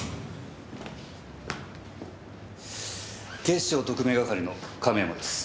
警視庁特命係の亀山です。